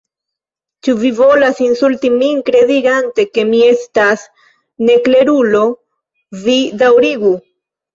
Ĉu vi volas insulti min kredigante ke mi estas neklerulo? vi daŭrigu!"